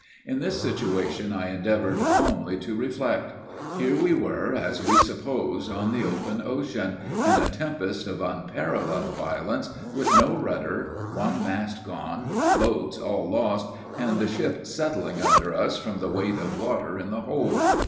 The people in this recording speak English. In this situation I endeavored calmly to reflect. Here we were, as we supposed, on the open ocean, in a tempest of unparalleled violence with no rudder one mast gone boats all lost and the ship settling under us from the weight of water in the hold.